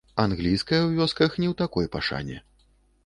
Англійская ў вёсках не ў такой пашане.